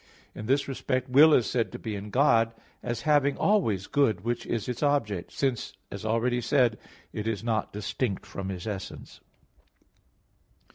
In this respect will is said to be in God, as having always good which is its object, since, as already said, it is not distinct from His essence.